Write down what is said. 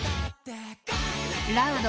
［ラウド。